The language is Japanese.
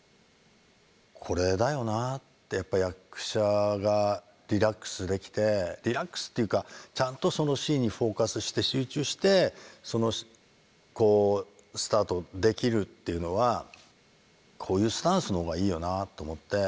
これだよなってやっぱり役者がリラックスできてリラックスっていうかちゃんとそのシーンにフォーカスして集中してスタートできるっていうのはこういうスタンスの方がいいよなと思って。